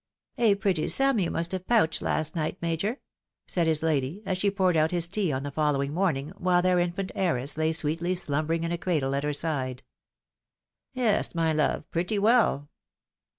" A pretty sum you must have pouched last night. Major," said his lady, as she poured out his tea on the following morn ing, while their infant heiress lay sweetly slumbering in a cradle at her side. " Yes, my love, pretty well."